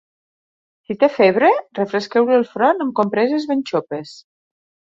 Si té febre, refresqueu-li el front amb compreses ben xopes.